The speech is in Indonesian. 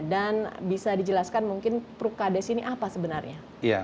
bisa dijelaskan mungkin prukades ini apa sebenarnya